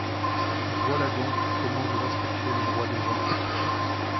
Voilà donc comment vous respectez le droit des gens !